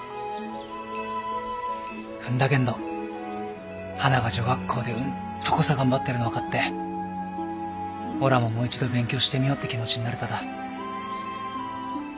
ふんだけんどはなが女学校でうんとこさ頑張ってるの分かっておらももう一度勉強してみようって気持ちになれただ。